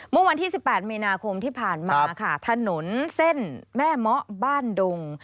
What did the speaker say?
เมื่อวันที่๑๘มีนาคมที่ผ่านมาค่ะถนนเส้นแม่เมาะบ้านดง